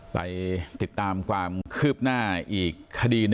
ไปติดตามความคืบหน้าอีกคดี